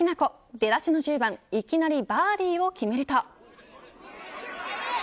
出だしの１０番いきなりバーディーを決めると。